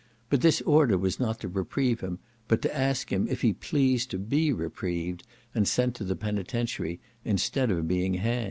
But this order was not to reprieve him, but to ask him if he pleased to be reprieved, and sent to the penitentiary instead of being hanged.